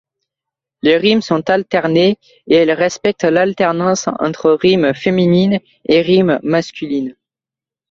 Les rimes sont alternées et elles respectent l'alternance entre rimes féminines et rimes masculines.